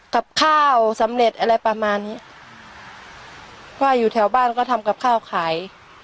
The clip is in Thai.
กับข้าวสำเร็จอะไรประมาณนี้ว่าอยู่แถวบ้านก็ทำกับข้าวขาย